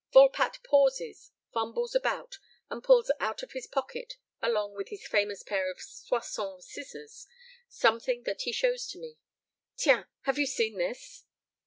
Volpatte pauses, fumbles about, and pulls out of his pocket, along with his famous pair of Soissons scissors, something that he shows to me: "Tiens, have you seen this?"